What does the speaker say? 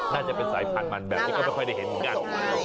น่าจะเป็นสายผัดมันแบบนี้ก็ไม่ค่อยได้เห็นกัน